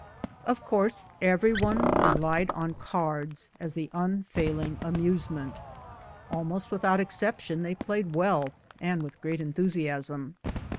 Of course every one relied on cards as the unfailing amusement. Almost without exception they played well and with great enthusiasm.